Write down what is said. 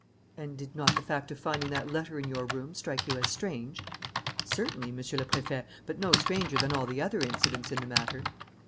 "And did not the fact of finding that letter in your room strike you as strange?" "Certainly, Monsieur le Préfet, but no stranger than all the other incidents in the matter."